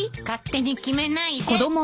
勝手に決めないで。